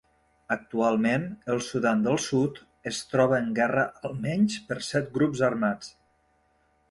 Actualment el Sudan del Sud es troba en guerra almenys per set grups armats.